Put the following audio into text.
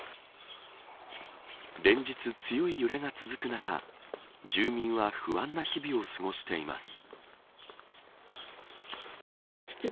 連日、強い揺れが続く中住民は不安な日々を過ごしています。